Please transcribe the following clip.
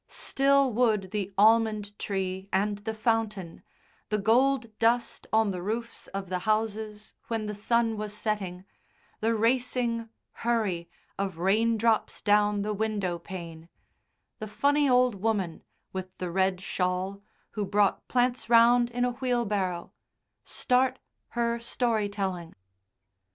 Still would the almond tree and the fountain, the gold dust on the roofs of the houses when the sun was setting, the racing hurry of rain drops down the window pane, the funny old woman with the red shawl who brought plants round in a wheelbarrow, start her story telling.